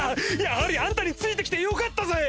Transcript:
やはりあんたについて来てよかったぜ！